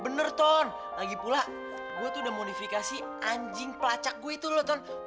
bener ton lagi pula gue tuh udah modifikasi anjing pelacak gue itu loh ton